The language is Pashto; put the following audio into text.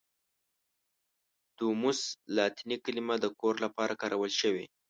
دوموس لاتیني کلمه د کور لپاره کارول شوې.